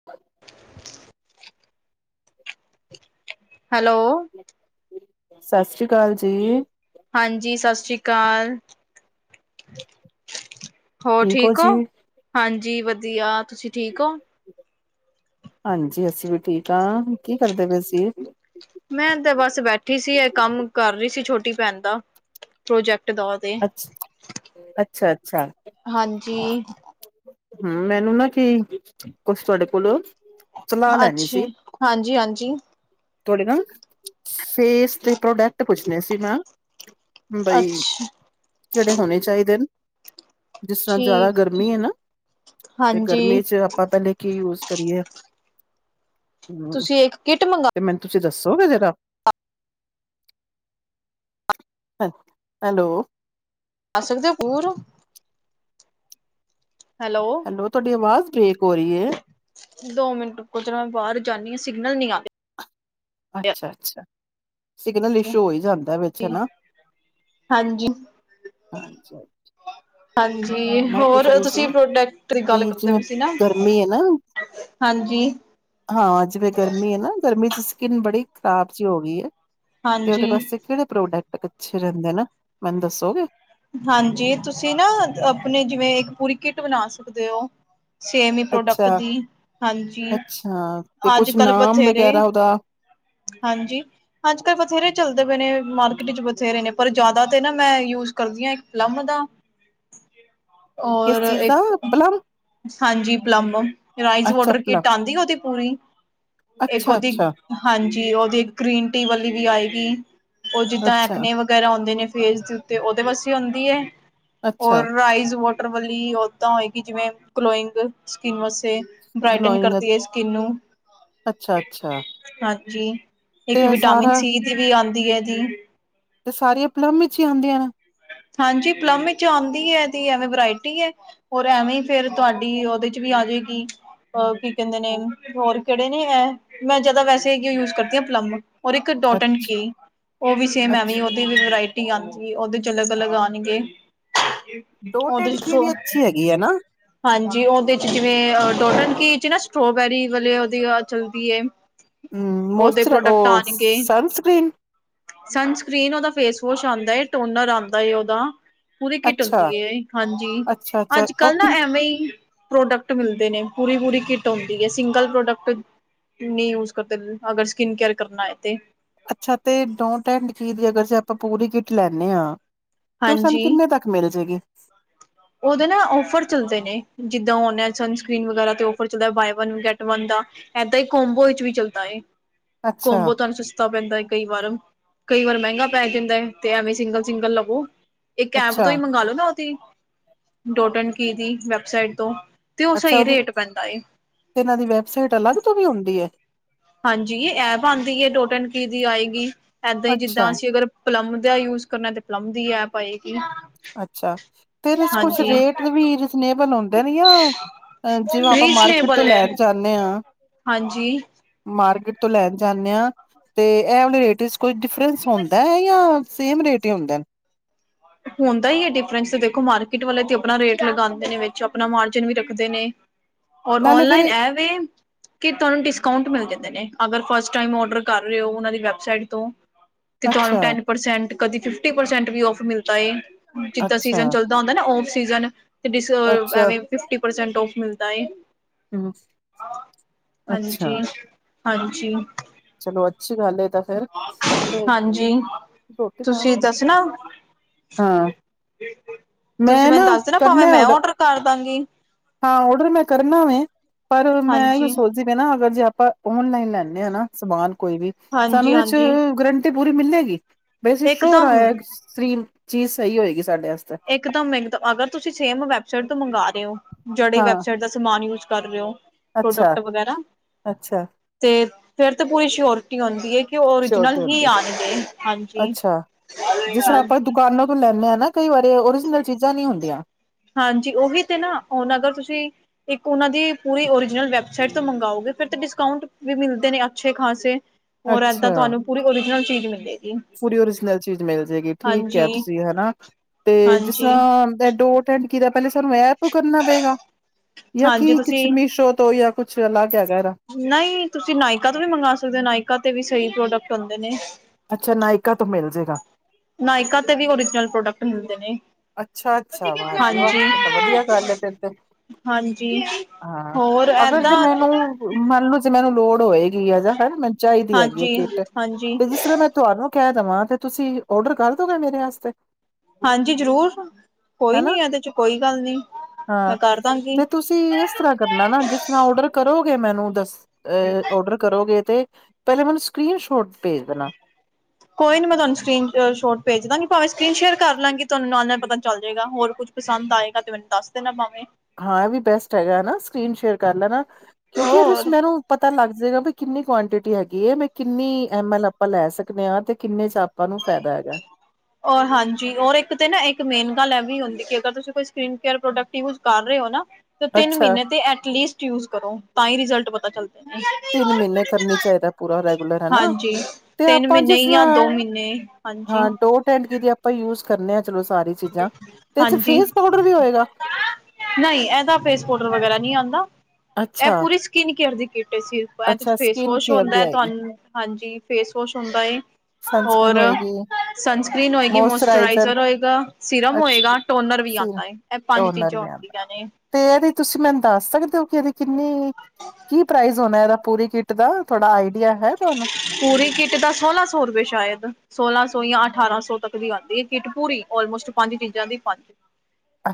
[inaudible] Hello- ਸਤਿ ਸ੍ਰੀ ਅਕਾਲ ਜੀ- ਹਾਂਜੀ ਸਤਿ ਸ੍ਰੀ ਅਕਾਲ- ਹੋਰ ਠੀਕ ਹੋ। ਹਾਂਜੀ ਵਧੀਆਂ ਤੁਸੀਂ ਠੀਕ ਹੋ। ਹਾਂਜੀ ਅਸੀਂ ਵੀ ਠੀਕ ਹਾਂ। ਕੀ ਕਰਦੇਂ ਪਏ ਸੀ। ਮੈਂ ਤੇ ਬਸ ਬੈਠੀਂ ਸੀ। ਇਹ ਕੰਮ ਕਰ ਰਹੀ ਸੀ ਛੋਟੀ ਭੈਣ ਦਾ। ਪ੍ਰੋਜੈਕਟ ਦੋ। ਅੱਛ ਅੱਛਾ, ਅੱਛਾ। ਹਾਂਜੀ। ਹਮ ਮੈਂਨੂੰ ਨਾ ਕੀ। ਕੁੱਛ ਤੁਹਾਡੇ ਕੋਲੋਂ ਸਲਾਹ ਲੈਂਣੀ ਅੱਛਾ, ਸੀ। ਹਾਂਜੀ-ਹਾਂਜੀ, ਤੁਹਾਡੇ ਨਾ ਫੇਸ ਤੇ ਪ੍ਰੋਡਕਟ ਪੁੱਛਣੇ ਸੀ ਮੈਂ। ਬਈ ਅੱਛਾ। ਕੇੜੇ ਹੋਣੇਂ ਚਾਈਦੇ ਨੇਂ ਜਿ ਜ਼ਿਆਦਾ ਠੀਕ, ਗਰਮੀਂ ਹੈਂ ਨਾ। ਤੇ ਹਾਂਜੀ, ਗਰਮੀ ਚ ਪਤਾਂ ਨੀਂ ਕੀ ਯੂਜ ਕਰੀਏ। ਹੂੰ ਤੁਸੀਂ ਇੱਕ ਕਿੱਟ ਤੇ ਮੰਗਵਾ ਮੈਂਨੂੰ ਤੁਸੀਂ ਦੱਸੋਂਗੇ ਜ਼ਰਾ। ਹੈਲੋ। ਅਸਲ ਦੇ ਉਹ ਨਾ। ਹੈਲੋ ਤੁਹਾਡੀ ਅਵਾਜ਼ ਬ੍ਰੇਕ ਹੋ ਰਹੀ ਏਂ। ਦੋ ਮਿੰਟ ਰੁਕੋ ਜ਼ਰਾ। ਮੈਂ ਬਾਰ ਜਾਂਦੀ ਹਾਂ ਸਿਗਨਲ ਨੀਂ ਆਂ ਰਹੇ। ਅੱਛਾ, ਅੱਛਾ। ਸਿਗਨਲ ਇੱਥੇ। ਇਸ਼ੂ ਹੋਈ ਜਾਂਦਾਂ ਵਿੱਚ ਹਨਾ। ਹਾਂਜੀ। ਅੱਛਾ [inaudible] ਹਾਂਜੀ ਹੋਰ ਰਹੀ ਤੁਸੀਂ ਸੀ ਪ੍ਰੋਡੈਕਟ ਦੀ ਗੱਲ਼ ਕਿ ਕਰਦੇਂ ਜਿਵੇਂ ਪਏ ਸੀ ਨਾ। ਗਰਮੀ ਹੈ ਨਾ ਹਾਂਜੀ। ਹਾਂ ਜਿਵੇਂ ਗਰਮੀਂ ਹੈਂ ਨਾ। ਗਰਮੀਂ ਚ ਸਕਿੰਨ ਬੜੀ ਖ਼ਰਾਬ ਜੀ ਹੋ ਗਈ ਏਂ। ਤੇ ਉਹਦੇ ਹਾਂਜੀ, ਵਾਸਤੇ। ਕੇੜੇ ਪ੍ਰੋਡੈਕਟ ਅੱਛੇ ਰੈਂਦੇਂ ਨੇਂ। ਮੈਂਨੂੰ ਦੱਸੋਂਗੇ ਹਾਂਜੀ ਤੁਸੀਂ ਨਾ ਆਪਣੀਂ ਜਿਵੇਂ ਇੱਕ ਪੂਰੀ ਕਿੱਟ ਬਣਾਂ ਸਕਦੇ ਹੋ਼ ਸੇਮ ਹੀ ਪ੍ਰੋਡਕਟ ਅੱਛਾ ਦੀ। ਹਾਂਜੀ ਅੱਛਾ ਤੇ ਅੱਜ਼ ਕੁਛ ਕੱਲ੍ਹ ਨਾਮ ਬਥੇਰੇ। ਵਗੈਰਾ ਉਹਦਾ ਹਾਂਜੀ। ਅੱਜ਼ ਕੱਲ੍ਹ ਬਥੇਰੇ ਚੱਲਦੇ ਪਏ ਨੇਂ ਮਾਰਕੀਟ ਵਿਚ ਬਥੇਰੇ ਨੇਂ। ਪਰ ਜ਼ਿਆਦਾ ਤੇ ਨਾ ਮੈਂ ਯੂਜ ਕਰਦੀ ਆਂ ਇੱਕ ਪਲੱਮ ਦਾ ਕਿਸ ਔਰ ਚੀਜ਼ ਦਾ ਇੱਕ ਪਲਮ ਹਾਂਜੀ ਪਲਮ ਰਾਈਸ ਅੱਛਾ ਵੋਟਰ ਪਲਮ ਕਿੱਟ ਆਂਦੀ ਉਹਦੀ ਪੂਰੀ। ਇੱਕ ਅੱਛਾ ਉਹਦੀ ਅੱਛਾ ਹਾਂਜੀ। ਉਹਦੀ ਗ੍ਰੀਨ ਟੀ ਵਾਲ਼ੀ ਵੀ ਆਏਂਗੀ। ਉਹ ਜਿੱਦਾਂ ਅੱਛਾ ਐਕਨੇ ਵਗ਼ੈਰਾ ਹੋਂਦੇ ਨੇਂ ਫੇਸ ਦੇ ਉੱਤੇ। ਉਹਦੇ ਵਾਸਤੇ ਹੁੰਦੀਂ ਹੈਂ। ਅੱਛਾ ਔਰ ਰਾਈਜ਼ ਵੋਟਰ ਵਾਲੀ ਓਦਾਂ ਹੋਏਗੀ। ਜਿਵੇਂ ਗਲੋੰਇੰਗ ਸਕਿਨ ਵਾਸਤੇ। ਬ੍ਰਾਇਟਨ ਗਲੋਇੰਗ ਕਰਦੀ ਏ, ਸਕਿੰਨ ਨੂੰ। ਅੱਛਾ ਅੱਛਾ ਹਾਂਜੀ, ਤੇ ਇੱਕ ਇਹ ਵਿਟਾਮਿਨ ਸਾਰਾ ਸੀ ਦੀ ਵੀ ਆਂਦੀ ਐ ਜੀ। ਤੇ ਸਾਰੀਆਂ ਪਲੱਮ ਵਿਚ ਹੀ ਆਂਦੀਆਂ? ਹਾਂਜੀ, ਪਲੱਮ ਵਿੱਚ ਆਉਂਦੀ ਏ, ਤੇ ਇਹਦੀ ਐਵੇਂ ਵੈਰਾਇਟੀ ਐ। ਹੋਰ, ਐਵੇਂ ਫ਼ਿਰ ਤੁਹਾਡੀ ਉਹਦੇ'ਚ ਵੀ ਆਜੇਗੀ। ਅ ਕੀ ਕਹਿੰਦੇ ਨੇਂ, ਹੋਰ ਕਿਹੜੇ ਨੇਂ ਐ, ''ਮੈਂ ਜ਼ਿਆਦਾ ਵੈਸੇ ਯੂਜ ਕਰਦੀ ਹਾਂ ਪਲੱਮ। ਔਰ ਇੱਕ ਡੌਟ ਐਨ ਅੱਛਾ ਕੀ, ਉਹ ਵੀ ਸੇਮ ਅੱਛਾ ਐਂਵੇਂ ਉਹਦੀ ਵੀ ਵਰਾਇਟੀ ਆਂਦੀ, ਉਹਦੇ ਚ ਅਲੱਗ-ਅਲੱਗ ਆਣਗੇ, ਡੋਟ ਐਂਡ ਉਹਦੇ'ਚ ਕੀ ਸੋ ਵੀ ਅੱਛੀ ਹੈਗੀ ਹੈ ਨਾ ਹਾਂਜੀ, ਉਹਦੇ'ਚ ਜਿਵੇਂ ਡੌਟ ਐਨ ਕੀ'ਚ ਨਾ ਸਟ੍ਰੋਬੇਰੀ ਵਾਲ਼ੇ ਉਹਦੀ ਓ ਚੱਲਦੀ ਏ। ਹਮ ਉਹਦੇ ਮੋਸਚਰ, ਉਹ ਸਨਸਕ੍ਰੀਨ? ਸਨਸਕ੍ਰੀਨ ਉਹਦਾ ਫੇਸਵਾਸ਼ ਆਦਾ ਏਂ, ਟੋਨਰ ਆਉਂਦਾ ਏ ਉਹਦਾ। ਪੂਰੀ ਕਿੱਟ ਹੁੰਦੀ ਅੱਛਾ ਏ, ਹਾਂਜੀ, ਅੱਛਾ ਅੱਛਾ ਅੱਜ਼-ਕੱਲ ਉਹ ਨਾ ਐਂਵੇਂ ਈ ਪ੍ਰੋਡਕਟ ਮਿਲ਼ਦੇ ਨੇਂ, ਪੂਰੀ-ਪੂਰੀ ਕਿੱਟ ਹੋਂਦੀ ਏਂ, ਸਿੰਗਲ ਪ੍ਰੋਡਕਟ ਨੀਂ ਯੂਜ ਕਰਦੇਂ, ਅਗਰ ਸਕਿਨ ਕੇਅਰ ਕਰਨਾਂ ਏ, ਤੇ। ਅੱਛਾ ਤੇ, ਡੋਂਟ ਐੰਡ ਕੀ ਦੀ ਅਗਰ ਆਪਾਂ ਪੂਰੀ ਕਿੱਟ ਲੈਂਦੇਂ ਹਾਂ, ਤੇ ਉਹ ਸਾਂਨੂੰ ਹਾਂਜੀ ਕਿੰਨੇਂ ਤੱਕ ਮਿਲ਼ ਜੇਗੀ। ਉਹਦੇ ਨਾ ਔਫਰ ਚੱਲਦੇ ਨੇਂ, ਜਿੱਦਾਂ ਔਨਲਾਈਨ ਸਨਸਕ੍ਰੀਨ ਵਗ਼ੈਰਾ ਤੇ ਔਫਰ ਚੱਲਦਾ, ਬਾਏ ਵਨ ਗੈਟ ਵਨ ਦਾ। ਐਦਾਂ ਈ ਕੋਮਬੋ ਵਿੱਚ ਵੀ ਚੱਲਦਾ ਏ, ਅੱਛਾ, ਕੋਮਬੋ ਤੁਹਾਨੂੰ ਸ ਤਾ ਪੈਂਦਾ ਕਈ ਵਾਰ, ਕਈ ਵਾਰ ਮਹਿੰਗਾ ਪੈ ਜਾਂਦਾ ਏ, ਤੇ ਐਵੇਂ ਸਿੰਗਲ-ਸਿੰਗਲ ਲਵੋ ਇੱਕ ਐਪ ਅੱਛਾ, ਤੋਂ ਹੀ ਮੰਗਾਲੋ ਨਾ ਉਹਦੀ, ਡੋਟ ਐਂਡ ਕੀ ਦੀ ਵੈਬਸਾਈਟ ਤੋਂ। ਤੇ ਉਹ ਅੱਛਾ ਸਹੀ ਉਹਦੀ ਰੇਟ ਪੈਂਦਾ ਏ। ਤੇ ਇਹਨਾਂ ਦੀ ਵੈਬਸਾਈਟ ਅਲੱਗ ਤੋਂ ਵੀ ਹੁੰਦੀ ਐ? ਹਾਂਜੀ, ਇਹ ਐਪ ਆਂਦੀ ਏ, ਡੋਟ ਐਂਡ ਕੀ ਦੀ ਆਏਗੀ ਇਦਾਂ ਹੀ ਅੱਛਾ, ਜਿੱਦਾਂ ਅਸੀਂ ਅਗਰ ਪਲਮ ਦਾ ਯੂਜ ਕਰਨਾ, ਤੇ ਪਲਮ ਦੀ ਐਪ ਆਏਗੀ। ਅੱਛਾ, ਤੇ ਇਹਦੇ'ਚ ਕੁਛ ਹਾਂਜੀ ਰੇਟ ਵੀ ਰੀਜਨੇਬਲ ਹੁੰਦੇ ਨ, ਯਾ ਅ, ਜਿਵੇਂ ਆਪਾਂ ਮਾਰਕੀਟ ਰੀਜਨੇਬਲ ਤੋਂ ਹੈ ਲੈਣ ਜਾਂਨੇ ਆਂ ਹਾਂਜੀ। ਮਾਰਕੀਟ ਤੋਂ ਲੈਣ ਜਾਂਨੇ ਆ, ਤੇ ਇਹ ਵਾਲੇ ਰੇਟ ਕੋਈ ਡਿਫਰੈਂਸ ਹੁੰਦਾ, ਯਾ ਸੇਮ ਰੇਟ ਹੀ ਹੁੰਦੇਨ। ਹੁੰਦਾ ਈ ਹੈ ਡਿਫਰੈਂਸ, ਦੇਖੋ ਮਾਰਕੀਟ ਵਾਲੇ ਤੇ ਆਪਣਾ ਰੇਟ ਲਗਾਂਦੇ ਨੇ, ਵਿੱਚ ਆਪਣਾ ਮਾਰਜਨ ਵੀ ਰੱਖਦੇ ਨੇ। ਔਰ ਨਾਲੇ ਫੇਰ ਔਨਲਾਈਨ ਇਹ ਐਵੇ ਕਿ ਤੁਹਾਨੂੰ ਡਿਸਕਾਉਂਟ ਮਿਲ ਜਾਂਦੇ ਨੇ, ਅਗਰ ਫਸਟ ਟਾਈਮ ਔਡਰ ਕਰ ਰਹੇ ਹੋ ਉਹਨਾਂ ਦੀ ਵੈਬਸਾਈਟ ਤੋਂ। ਹ ਤੇ ਤੁਹਾਨੂੰ ਟੈਨ ਪਰਸੈਂਟ, ਕਦੇ ਫਿਫਟੀ ਪਰਸੈਂਟ ਵੀ ਔਫ ਮਿਲਦਾ ਏ, ਜਿਦਾਂ ਅੱਛਾ, ਸੀਜਨ'ਚ ਜਿਦਾਂ ਹੁੰਦਾ ਨਾ ਔਫ ਸੀਜ਼ਨ, ਅੱਛਾ, ਐਂਵੇ ਫਿਫਟੀ ਪਰਸੈਂਟ ਔਫ ਮਿਲਦਾ ਏ। ਹੂੰ, ਅੱਛਾ ਹਾਂਜੀ, ਹਾਂਜੀ ਚਲੋ ਅੱਛੀ ਗੱਲ ਏ, ਏ ਤਾਂ ਫੇਰ ਹਾਂਜੀ ਤੁਸੀਂ ਦੱਸਣਾ ਹਾਂ, ਤੁਸੀਂ ''ਮੈਂ ਮੈਨੂੰ ਨਾ ਦੱਸ ਦੇਣਾ ਭਾਵੇਂ ਕਰਨਾ ਮੈਂ ਔਰਡਰ। ਔਡਰ ਕਰ ਦਾਂਗੀ। ਹਾਂ, ਔਡਰ ਮੈਂ ਕਰਨਾ ਵੇ, ਪਰ ''ਮੈਂ ਇਹੀਓ ਹਾਂਜੀ ਸੋਚ ਜਿਵੇਂ ਨਾ ਅਗਰ ਜੇ ਆਪਾਂ, ਓਨਲਾਈਨ ਲੈਂਦੇ ਹਾਂ ਨਾ ਸਮਾਨ ਕੋਈ ਵੀ ਸਾਨੂੰ ਹਾਂਜੀ ਉਹਦੇ'ਚ ਹਾਂਜੀ ਗਰੰਟੀ ਪੂਰੀ ਮਿਲੇਗੀ, ਬਸ ਸ਼ੋਰ ਇਕਦਮ ਆਇਆਰੀਮ ਚੀਜ਼ ਸਹੀ ਹੋਏਗੀ ਸਾਡੇ ਵਾਸਤੇ। ਇਕਦਮ ਅਗਰ, ਤੁਸੀਂ ਸੇਮ ਵੈਬਸਾਈਟ ਤੋਂ ਮੰਗਾ ਰਹੇ ਓ ਜਿਹੜੇ ਹਾਂ ਵੈਬਸਾਈਟ ਦਾ ਸਮਾਨ ਯੂਜ ਕਰ ਰਹੇ ਹੋ, ਅੱਛਾ ਪ੍ਰੋਡਕਟ ਵਗੈਰਾ। ਅੱਛਾ ਤੇ, ਫੇਰ ਤਾਂ ਪੂਰੀ ਸ਼ਿਓਰਟੀ ਹੋਂਦੀ ਏ ਕਿ, ਓਰੀਜਨਲ ਸ਼ੋਰਟੀ ਹੀ ਹੁੰਦੀ ਆਣਗੇ, ਹਾਂਜੀ, ਹਾਂਜੀ ਓਨਾਂ ਕੋ ਲੈਂਣੇ ਆਂ ਨਾਂ। ਕਈ ਵਾਰੀ ਓਰੀਜਨਲ ਚੀਜ਼ਾਂ ਨਈਂ ਹੁੰਦੀਆਂ। ਹਾਂਜੀ ਉਹੀ ਤੇ ਨਾ ਹੁਣ ਅਗਰ ਤੁਸੀਂ ਇੱਕ ਉਹਨਾਂ ਦੀ ਪੂਰੀ ਓਰੀਜਨਲ ਵੈਬਸਾਈਟ ਤੋਂ ਮੰਗਾਓਗੇ ਫਿਰ ਡਿਸਕਾਊਂਟ ਵੀ ਮਿਲਦੇ ਨੇ ਅੱਛੇ ਖਾਸੇ। ਹੋਰ ਏਦਾਂ ਅੱਛਾ ਤੁਹਾਨੂੰ ਪੂਰੀ ਓਰੀਜਨਲ ਚੀਜ਼ ਮਿਲੇਗੀ। ਪੂਰੀ ਓਰੀਜਨਲ ਚੀਜ਼ ਮਿਲ ਜੇਗੀ ਠੀਕ ਕਿਆ ਹਾਂਜੀ ਤੁਸੀਂ ਹੈਨਾ ਤੇ ਜਿਸ ਹਾਂਜੀ ਸਰਾਂ [unintelligible] ਫਿਰ ਕਿਦਾਂ ਪਹਿਲਾਂ ਸਾਨੂੰ ਐਪ ਤੋਂ ਕਰਨਾ ਪਏਗਾ ਜਾਂ ਹਾਂਜੀ ਕੀ ਕੁਛ ਤੁਸੀਂ ਮੀਸ਼ੋ ਤੋਂ ਜਾਂ ਕੁੱਛ ਅੱਲਗ ਹੈਗਾ ਏਦਾ। ਨਈਂ ਤੁਸੀਂ ਨਾਇਕਾ ਤੋਂ ਵੀ ਮੰਗਵਾ ਸਕਦੇ ਨਾਇਕਾ ਤੇ ਵੀ ਸਈ ਪ੍ਰੋਡਕਟ ਹੁੰਦੇ ਨੇ। ਅੱਛਾ ਨਾਇਕਾ ਤੋਂ ਮਿਲ ਜੇਗਾ। ਨਾਇਕਾ ਤੇ ਵੀ ਓਰੀਜਨਲ ਪ੍ਰੋਡਕਟ ਮਿਲਦੇ ਨੇ। ਅੱਛਾ ਅੱਛਾ ਵਾਅ ਜੀ ਵਾਅ ਹਾਂਜੀ ਇਹ ਤਾਂ ਵਧੀਆ ਗੱਲ ਐ ਫਿਰ ਤੇ। ਹਾਂਜੀ ਹਾਂ, ਹੋਰ ਅਗਰ ਜੇ ਏਦਾਂ ਮੈਨੂੰ ਮੰਨਲੋ ਜੇ ਮੈਨੂੰ ਲੋੜ ਹੋਏਗੀ ਆ ਜਾਂ ਹਨਾ ਮੈਨੂੰ ਚਾਈਦੀ ਹੈਗੀ ਆ ਹਾਂਜੀ ਕਿੱਟ ਹਾਂਜੀ ਤੇ ਜਿਸ ਤਰ੍ਹਾਂ ਮੈਂ ਤੁਆਨੂੰ ਕੈਅ ਦਵਾਂ ਤੇ ਤੁਸੀਂ ਔਡਰ ਕਰ ਦੋਗੇ ਮੇਰੇ ਆਸਤੇ। ਹਾਂਜੀ ਜ਼ਰੂਰ ਕੋਈ ਨੀ ਹਨਾ ਇਹਦੇ ਚ ਕੋਈ ਗੱਲ ਨੀਂ, ਮੈਂ ਕਰਦਾਂਗੀ। ਤੁਸੀ ਇਸ ਤਰ੍ਹਾਂ ਕਰਨਾ ਨਾ ਜਿਸ ਤਰ੍ਹਾਂ ਓਡਰ ਕਰੋਗੇ ਮੈਨੂੰ ਦੱਸ ਅ ਓਡਰ ਕਰੋਗੇ ਤੇ ਪਹਿਲੇ ਮੈਨੂੰ ਸਕਰੀਨ ਸ਼ੋਟ ਭੇਜ ਦੇਣਾ। ਕੋਈ ਨੀ ਮੈਂ ਤੁਹਾਨੂੰ ਸਕਰੀਨ ਸ਼ੋਟ ਭੇਜ ਦਾਂਗੀ, ਭਾਵੇਂ ਸਕਰੀਨ ਸ਼ੇਅਰ ਕਰ ਲਾਂਗੀ, ਤੁਆਨੂੰ ਨਾਲ-ਨਾਲ ਪਤਾ ਚੱਲ ਜਏਗਾ ਹੋਰ ਕੁੱਝ ਪਸੰਦ ਆਏਗਾ ਤੇ ਮੈਨੂੰ ਦੱਸ ਦੇਣਾ ਭਾਵੇਂ ਹਾਂ ਏ ਵੀ ਬੈਸਟ ਹੈਗਾ ਐ ਨਾ ਸਕਰੀਨ ਸ਼ੇਅਰ ਕਰ ਲੈਣਾ ਕਿਉਂਕਿ ਓਦੇ ਵਿੱਚ ਹੋਰ ਮੈਨੂੰ ਪਤਾ ਲੱਗ ਜਾਏਗਾ ਵੀ ਕਿੰਨੀ ਕੁਆਂਟਿਟੀ ਹੈਗੀ ਐ, ਮੈਂ ਕਿੰਨੀ ਐਮ ਐਲ ਆਪਾਂ ਲੈ ਸਕਣੇ ਆਂ ਤੇ ਕਿੰਨੇ ਚ ਆਪਾਂ ਨੂੰ ਫੈ਼ਦਾ ਹੈਗਾ। [inaudible] ਔਰ ਹਾਂਜੀ, ਔਰ ਇੱਕ ਤੇ ਨਾ ਇੱਕ ਮੇਨ ਗੱਲ ਐ ਵੀ ਹੁੰਦੀ ਕਿ ਅਗਰ ਤੁਸੀਂ ਕੋਈ ਸਕ੍ਰੀਨ ਕੇਅਰ ਪ੍ਰੋਡਕਟ ਯੂਜ਼ ਕਰ ਰੇ ਓ ਨਾ ਤੇ ਤਿੰਨ ਅੱਛਾ ਮੀਨੇਂ ਤੇ ਐਟਲੀਸਟ ਯੂਜ਼ ਕਰੋ ਤਾਂ ਈ ਰਿਜ਼ਲਟ ਪਤਾ ਚੱਲਦਾ। ਤਿੰਨ ਮੀਨੇਂ ਕਰਨੀ ਚਾਈਦਾ ਪੂਰਾ ਰੈਗੂਲਰ ਹੈਨਾਂ ਹਾਂਜੀ ਤੇ ਤਿੰਨ ਆਪਾਂ ਮਹੀਨੇ ਜਿਸਰਾਂ ਜਾਂ ਦੋ ਮਹੀਨੇ ਹਾਂਜੀ ਹਾਂ, ਡੋਟ ਐਂਡ ਕਿ ਦੀ ਆਪਾਂ ਯੂਜ਼ ਕਰਨੇ ਆ। ਚਲੋ ਸਾਰੀ ਚੀਜ਼ਾਂ ਤੇ ਇਚ ਫੇਸ ਪਾਊਡਰ ਵੀ ਹੋਏਗਾ। ਨਈਂ, ਇਹਦਾ ਫੇਸਪੋਡਰ ਵਗੈਰਾ ਨਈਂ ਆਂਦਾ। ਐ ਅੱਛਾ ਪੂਰੀ ਸਕਿਨ ਕੇਅਰ ਦੀ ਕਿੱਟ ਏ ਸਿਰਫ, ਇਹਦੇ ਚ ਅੱਛਾ ਫੇਸ ਸਕਿਨ ਵੋਸ਼ ਕੇਅਰ ਦੀ ਹੁੰਦਾ, ਆਏਗੀ ਤੁਆਨੂੰ ਹਾਂਜੀ, ਫੇਸ ਵੋਸ਼ ਹੁੰਦਾ ਏ। ਸਨਸਕ੍ਰੀਨ ਹੋਰ, ਹੋਏਗੀ ਸਨਸਕ੍ਰਰੀਨ ਹੋਏਗੀ, ਮੋਇਸਚਰਾਈਜ਼ਰ ਮੋਸਚਰਾਈਜ਼ਰ ਹੋਏਗਾ। ਸਿਰਮ ਅੱਛਾ ਹੋਏਗਾ, ਟੋਨਰ ਵੀ ਸੀ ਆਂਦਾ ਏ ਇਹ ਪੰਜ ਟੋਨਰ ਚੀਜ਼ਾਂ ਵੀ ਆਉਂਦਾ ਹੋਂਦੀਆਂ ਨੇ। ਤੇ ਇਹਦੀ ਤੁਸੀਂ ਮੈਨੂੰ ਦੱਸ ਸਕਦੇ ਔ? ਏਦੀ ਕਿੰਨੀ, ਕੀ ਪ੍ਰਾਈਜ ਹੋਣਾ ਏਦਾ ਪੂਰੀ ਕਿੱਟ ਦਾ ਥੋੜਾ ਆਈਡੀਆ ਹੈ ਤੁਆਨੂੰ? ਪੂਰੀ ਕਿੱਟ ਦਾ ਸੋਲਾਂ ਸੌ ਰੁਪਏ ਸ਼ਾਇਦ। ਸੋਲਾਂ ਸੌ, ਯਾਂ ਅਠਾਰਾਂ ਸੌ ਤੱਕ ਦੀ ਆਂਦੀ ਏ ਕਿਟ ਪੂਰੀ ਆਲਮੋਸਟ ਪੰਜ ਚੀਜ਼ਾਂ ਦੀ ਪੰਜ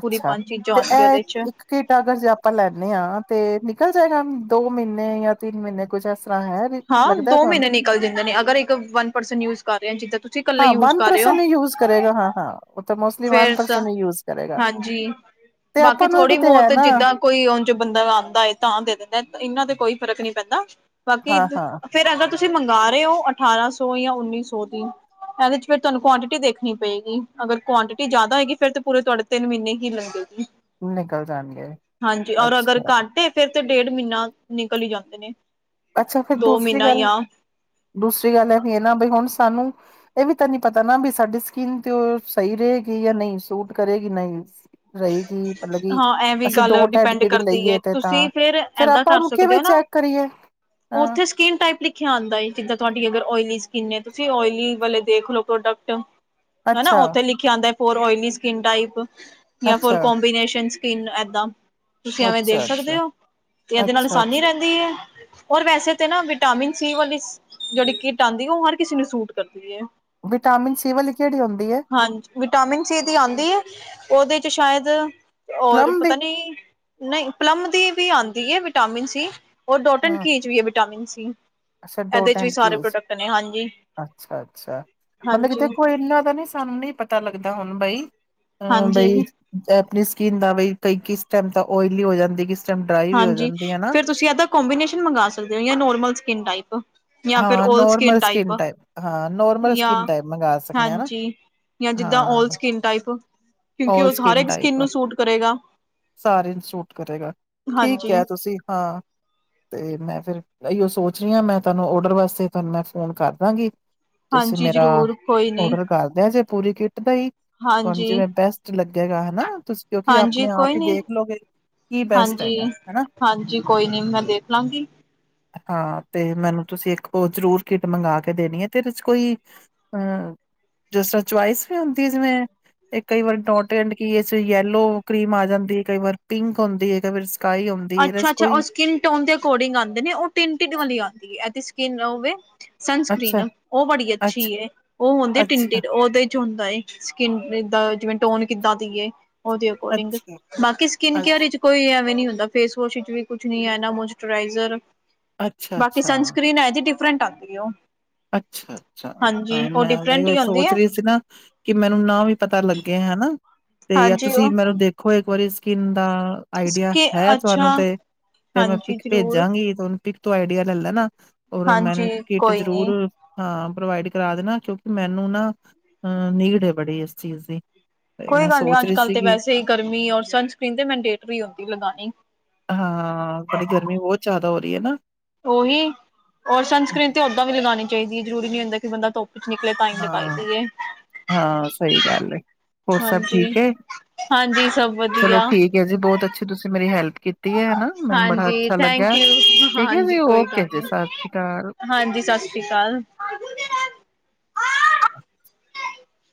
ਪੂਰੀ ਪੰਜ ਚੀਜ਼ਾਂ ਤੇ ਆਉਣਗੀਆਂ ਇਹ ਉਹਦੇ ਚ ਇੱਕ ਕਿਟ ਅਗਰ ਜੇ ਆਪਾਂ ਲੈਂਨੇ ਆਂ ਤੇ ਨਿਕਲ ਜਾਏਗਾ ਦੋ ਮੀਨੇਂ ਯਾਂ ਤਿੰਨ ਮੀਨੇਂ ਕੁੱਝ ਇਸਰ੍ਹਾਂ ਹੈ। ਹਾਂ, ਲੱਗਦਾ ਦੋ ਤੁਹਾਨੂੰ ਮੀਨੇਂ ਨਿਕਲ ਜਾਂਦੇ ਨੇ, ਅਗਰ ਇੱਕ ਵਨ ਪਰਸਨ ਯੂਜ਼ ਕਰ ਰਿਆ, ਜਿੱਦਾਂ ਤੁ ਹਾਂ, ਵਨ ਪਰਸਨ ਈ ਯੂਜ਼ ਕਰੇਗਾ। ਹਾਂ ਹਾਂ, ਉਹ ਤਾਂ ਮੋਸਟਲੀ ਵਨ ਫੇਰ ਤਾਂ ਪਰਸਨ ਈ ਯੂਜ਼ ਕਰੇਗਾ। ਹਾਂਜੀ। ਤੇ ਬਾਕੀ ਆਪਾਂ ਨੂੰ ੲੈ ਵੀ ਥੋੜ੍ਹੀ ਤੇ ਹੈ ਬਹੁਤ ਨਾ ਜਿੱਦਾਂ ਕੋਈ ਉਂਝ ਬੰਦਾ ਆਂਦਾ ਏ ਤਾਂ ਦੇ ਦਿੰਦਾ ਏ, ਏਨਾ ਤੇ ਕੋਈ ਫਰਕ ਨਈਂ ਪੈਂਦਾ ਕਿ ਹਾਂ ਹਾਂ ਫੇਰ ਅਗਰ ਤੁਸੀਂ ਮੰਗਵਾ ਰਹੇ ਓ ਅਠਾਰਾਂ ਸੌ ਯਾਂ ਉੱਨੀ ਸੌ ਦੀ। ਇਹਦੇ ਚ ਫਿਰ ਤੁਹਾਨੂੰ ਕੁਆਂਟਿਟੀ ਦੇਖਣੀ ਪਏਗੀ। ਅਗਰ ਕੁਆਂਟਿਟੀ ਜ਼ਿਆਦਾ ਹੋਏਗੀ, ਫਿਰ ਤੇ ਪੂਰੇ ਤੁਹਾਡੇ ਤਿੰਨ ਮਹੀਨੇ ਹੀ ਲੰਗੇਗੀ। ਨਿਕਲ ਜਾਣਗੇ ਹਾਂਜੀ, ਔਰ ਅਗਰ ਅੱਛਾ ਘੱਟ ਏ ਫੇਰ ਤੇ ਡੇੜ ਮਹੀਨਾ ਨਿਕਲ ਈ ਜਾਂਦੇ ਨੇ। ਅੱਛਾ, ਫਿਰ ਦੋ ਦੂਸਰੀ ਮਹੀਨਾ ਗੱਲ, ਜਾਂ ਦੂਸਰੀ ਗੱਲ ੲੈ ਵੀ ਏ ਨਾ ਬਈ ਹੁਣ ਸਾਨੂੰ ਇਹ ਵੀ ਤਾਂ ਨਹੀਂ ਪਤਾ ਨਾ, ਵੀ ਸਾਡੀ ਸਕਿਨ ਤੇ ਸਹੀ ਰਹੇਗੀ ਯਾਂ ਨਈ, ਸੂਟ ਕਰੇਗੀ ਨਈ। ਰਹੇਗੀ। ਮਤਲਬ ਕਿ, ਹਾਂ ਐ ਵੀ ਅਸੀਂ ਗੱਲ ਡੋਟ ਏਂਡ ਡਿਪੈਂਡ ਕਿ ਦੀ ਕਰਦੀ ਹੈ ਲਈਏ ਤੇ ਤੁਸੀਂ ਤਾਂ, ਫੇਰ ਏਦਾਂ ਆਪਾਂ ਕਰ ਉਹਨੂੰ ਸਕਦੇ ਕਿਵੇਂ ਹੋ ਨਾ ਚੈੱਕ ਕਰੀਏ। ਹਾਂ ਉੱਥੇ ਸਕੀਨ ਟਾਈਪ ਲਿ ਲਿਖਿਆ ਆਂਦਾ ਏ, ਜਿੱਦਾਂ ਤੁਹਾਡੀ ਅਗਰ ਓਈਲੀ ਸਕਿੰਨ ਏ, ਤੁਸੀਂ ਓਇਲੀ ਵਾਲੇ ਦੇਖ ਲੋ ਪ੍ਰੋਡਕਟ। ਹਨਾ। ਅੱਛਾ ਉੱਥੇ ਲਿਖਿਆ ਆਂਦਾ ਏ, ਫੋਰ ਓਇਲੀ ਸਕਿਨ ਟਾਈਪ, ਯਾਂ ਫੋਰ ਅੱਛਾ। ਕੋਬੀਨੇਸ਼ਨਸ ਸਕੀਨ ਏਦਾਂ। ਤੁਸੀਂ ਐਵੇਂ ਦੇਖ ਅੱਛਾ ਅੱਛਾ ਸਕਦੇ ਅੱਛਾ ੳ, ਤੇ ਇਹਦੇ ਨਾਲ ਅੱਛਾ ਆਸਾਨੀ ਰਹਿੰਦੀ ਏ। ਔਰ, ਵੈਸੇ ਤੇ ਨਾ ਵਿਟਾਮਿਨ ਸੀ ਵਾਲੀ ਸੀ, ਜਿਹੜੀ ਕਿਟ ਆਉਂਦੀ ਏ, ਉਹ ਹਰ ਕਿਸੇ ਨੂੰ ਸੂਟ ਕਰਦੀ ਏ। ਵਿਟਾਮਿਨ, ਸੀ ਵਾਲੀ ਕਿਹੜੀ ਹੁੰਦੀ ਏ? ਹਾਂਜੀ, ਵਿਟਾਮਿਨ ਸੀ ਦੀ ਆਂਦੀ ਏ, ਉਹਦੇ ਚ ਸ਼ਾਇਦ ਔਰ ਪਲਮ ਦੀ ਪਤਾ ਨੀ ਨਹੀਂ, ਪਲਮ ਦੀ ਵੀ ਆਂਦੀ ਏ ਵਿਟਾਮਿਨ ਸੀ, ਔਰ ਡੋਟ ਏਂਡ ਹਾਂ ਕੀ ਚ ਵੀ ਏ ਵਿਟਾਮਿਨ ਸੀ। ੲੈਦੇ, ਚ ਵੀ ਸਾਰੇ ਪ੍ਰੋਡਕਟ ਨੇ ਹਾਂਜੀ। ਅੱਛਾ-ਅੱਛਾ। ਮਤਲਬ ਕਿ ਹਾਂਜੀ ਦੇਖੋ ਇਨਾ ਦਾ ਨੀ ਸਾਨੂੰ ਨੀ ਪ ਤਾ ਲੱਗਦਾ ਹੁਣ ਬਈ, ਅਹ ਬਈ ਹਾਂਜੀ ਆਪਣੀ ਸਕਿਨ ਦਾ ਬਈ, ਕਈ ਕਿਸ ਟਾਈਮ ਤਕ ਓਇਲੀ ਹੋ ਜਾਂਦੀ। ਕਿਸ ਟਾਈਮ ਡਰਾਈ ਵੀ ਹੋ ਹਾਂਜੀ, ਜਾਂਦੀ ਹਨਾ। ਫਿਰ ਤੁਸੀਂ ਇਹਦਾ ਕੋਂਬੀਨੇਸ਼ਨ ਮੰਗਾ ਸਕਦੇ ਉਸ, ਯਾਂ ਨੋਰਮਲ ਸਕਿੰਨ ਟਾਈਪ। ਜਾ ਫਿਰ ਹਾਂ ਓਲਡ ਸਕਿਨ ਨੋਰਮਲ ਟਾਈਪ, ਹਾਂ ਨੋਰਮਲ ਜਾ, ਸਕਿਨ ਟਾਈਪ ਮੰਗਵਾ ਸਕਦੇ ਹਨਾ ਹਾਂਜੀ। ਜਾ, ਜਿੱਦਾਂ ਔਲ ਹਾਂ। ਸਕਿਨ ਟਾਈਪ, ਕਿਉਂਕਿ ਉਹ ਹਰ ਇੱਕ ਸਕਿੰਨ ਨੂੰ ਸੂਟ ਕਰੇਗਾ। ਸਾਰੇ ਜਾ ਨੂੰ ਸੂਟ ਕਰੇਗਾ, ਠੀਕ ਹਾਂਜੀ ਕਿਹਾ ਤੁਸੀਂ ਹਾਂ। ਤੇ, ਮੈਂ ਫਿਰ ਇਓ ਸੋਚ ਰਹੀ ਹਾਂ, ਮੈਂ ਤੁਹਾਨੂੰ ਔਡਰ ਵਾਸਤੇ ਤੁਹਾਨੂੰ ਮੈਂ ਫੋਨ ਕਰ ਦਾਂਗੀ। ਤੁਸੀਂ ਹਾਂਜੀ ਮੇਰਾ ਜ਼ਰੂਰ ਕੋਈ ਨੀ ਔਡਰ ਕਰਦੇਆ, ਜੇ ਪੂਰੀ ਕਿੱਟ ਦਾ ਈ। ਤੁਹਾਨੂੰ ਹਾਂਜੀ ਜੀਵੇੈਂ ਬੈਸਟ ਲੱਗੇਗਾ ਹਨਾ, ਤੁਸੀਂ ਕਿਉਂਕਿ ਆਪਣੇ ਆਪ ਹੀ ਦੇਖ ਲੋਗੇ। ਕੀ ਬੈਸਟ ਹੈਗਾ ਹਨਾ। ਹਾਂਜੀ-ਹਾਂਜੀ, ਕੋਈ ਨੀ ਮੈਂ ਦੇਖ ਲਾਂਗੀ। ਹਾਂ, ਤੇ ਮੈਨੂੰ ਤੁਸੀਂ ਇੱਕ ਓ ਜਰੂਰ ਕਿੱਟ ਮੰਗਾ ਕੇ ਦੇਨੀ ਏ ਤੇ ਏਦੇ ਚ ਕੋਈ ਅ ਜਿਸ ਤਰਾ ਚੁਆਇਸ ਵੀ ਹੁੰਦੀ ਏ। ਜਿਵੇਂ? ਏ, ਕਈ ਵਾਰ ਡੋਟ ਐਂਡ ਕਿ ਇਚ ਯੈਲੋ ਕਰੀਮ ਆ ਜਾਂਦੀ ਐ, ਕਈ ਵਾਰ ਪਿੰਕ ਹੁੰਦੀ ਐ, ਕਈ ਵਾਰ ਕਾਈ ਆਉਂਦੀ ਏਦੇ ਚ ਅੱਛਾ-ਅੱਛਾ ਉਹ ਕੋਈ ਸਕਿਨ ਟੋਨ ਦੇ ਅਕੋਰਡਿਂਗ ਆਂਦੇ ਨੇ ਓ ਟਿੰਨਟਿਡ ਵਾਲੀ ਆਂਦੀ ਏ, ਐ ਤੇ ਸਕਿਨ ਓ ਵੇ ਅੱਛਾ ਸਨਸਕ੍ਰਰੀਨ ਓ ਬੜੀ ਅੱਛੀ ਅੱਛਾ ਏ, ਓ ਹੁੰਦੀ ਏ ਅੱਛਾ ਟਿੰਨਟਿਡ ਉਹਦੇ ਚੋਹਂਦਾ ਏ, ਸਕਿਨ ਦਾ ਜਿਵੇਂ ਟੋਨ ਕਿੱਦਾਂ ਦੀ ਏ ਓਦੇ ਅਕੋਰਡਿੰਗ ਅੱਛਾ ਬਾਕੀ ਸਕਿਨ ਕੇਅਰ ਅੱਛ ਇੱਚ ਕੋਈ ਐਵੇਂ ਨੀ ਹੁੰਦਾ। ਫੇਸ ਵੋਸ਼ ਇੱਚ ਵੀ ਕੁਛ ਨੀ ਹੈ। ਨਾ ਮੋਸਚਰਾਈਜ਼ਰ, ਅੱਛਾ ਬਾਕੀ ਅੱਛਾ ਸਨਸਕ੍ਰਰੀਨ ਹੈ। ਜੀ ਡਿਫਰੈਂਟ ਆਤੀ ਓ। ਅੱਛਾ-ਅੱਛਾ ਹਾਂ। ਮੈਂ ਐਂਵੈ ਡਿਫਰੈਂਟ ਓ ਹੀ ਹੁੰਦੀ ਏ ਸੋਚ ਰਹੀ ਸੀ ਨਾ ਕਿ ਮੈਨੂੰ ਨਾ ਵੀ ਪਤਾ ਲੱਗੇ ਹੈਨਾ ਤੇ ਜਾ ਹਾਂਜੀ ਤੁਸੀਂ ਉਹ ਮੈਨੂੰ ਦੇਖੋ ਇੱਕ ਵਾਰੀ ਸਕਿਨ ਦਾ। ਆਈਡੀਆ ਸਕਿ ਹੈ, ਤੂਹਾਨੂੰ ਅੱਛਾ ਤੇ, ਤੇ ਮੈਂ ਹਾਂਜੀ ਪਿਕ ਜ਼ਰੂਰ ਭੇਜਾਂਗੀ ਤਹਾਨੂੰ ਪਿਕ ਤੋਂ ਆਈਡੀਆ ਲੈਲ ਲੈਨਾ। ਔਰ, ਮੈਨੂੰ ਹਾਂਜੀ ਕਿਟ ਕੋਈ ਨੀ। ਜ਼ਰੂਰ ਹਾਂ, ਪ੍ਰੋਵਾਈਡ ਕਰਾ ਦੇਣਾ। ਕਿਉਂਕਿ ਮੈਨੂੰ ਨਾ ਅ ਨੀਡ ਏ ਬੜੀ ਇਸ ਚੀਜ਼ ਦੀ। ਤੇ ਕੋਈ ਮੈਂ ਗੱਲ ਨੀ ਸੋਚ ਅੱਜ ਰਹੀ ਕੱਲ ਤੇ ਸੀਗੀ ਵੈਸੇ ਈ ਗਰਮੀ ਏ ਔਰ ਸਨਸਕਰੀਨ ਤੇ ਮੈਂਨਡੇਟਰੀ ਹੋਂਦੀ ਲਗਾਨੀ। ਹਾਂ, ਬੜੀ ਗਰਮੀ ਬਹੁਤ ਜਾਦਾ ਹੋਰੀ ਏ ਨਾ? ਓਹੀ ਔਰ ਸਨ ਸਕਕਰੀਨ ਤੇ ਓਦਾਂ ਵੀ ਲਗਨੀ ਚਾਈਦੀ ਏ ਜਰੂਰੀ ਨੀ ਹੁੰਦਾ, ਕਿ ਬੰਦਾ ਧੁੱਪ ਕੁਛ ਨਿਕਲੇ ਤਾਈ ਹਾਂ, ਨਿਕਾਲਦੀ ਏ। ਹਾਂ ਸਈ ਗਾੱਲ ਏ, ਹੋਰ ਸਬ ਹਾਂਜੀ, ਠੀਕ ਏ ਹਾਂਜੀ ਸਭ ਚਲੋ ਵਧੀਆ ਠੀਕ ਏ ਜੀ ਬੋਤ ਅੱਛੀ ਤੂਸੀ ਮੇਰੀ ਹੈਲਪ ਕੀ ਤੀ ਐਨਾ ਮੈਨੂੰ ਬੜਾ ਹਾਂਜੀ ਅੱਛਾ ਥੈਂਕ ਲੱਗਾ ਯੂ ਠੀਕ ਏ ਜੀ ਹਾਂਜੀ ਕੋਈ ਓਕੇ ਗੱਲ ਜੀ ਨੀ ਸਸ ਸ੍ਰੀ ਕਾਲ। ਹਾਂਜੀ, ਸਸ ਸ੍ਰੀ ਕਾਲ।